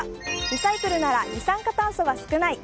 リサイクルなら二酸化炭素が少ない。